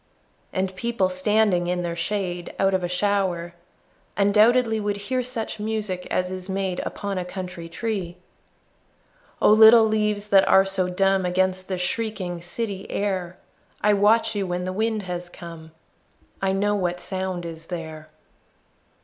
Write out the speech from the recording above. And people standing in their shade Out of a shower, undoubtedly Would hear such music as is made Upon a country tree. Oh, little leaves that are so dumb Against the shrieking city air, I watch you when the wind has come, I know what sound is there.